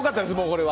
これは。